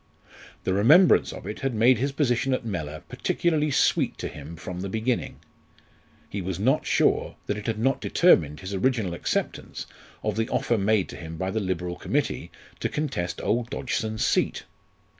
The remembrance of it had made his position at Mellor particularly sweet to him from the beginning; he was not sure that it had not determined his original acceptance of the offer made to him by the Liberal Committee to contest old Dodgson's seat.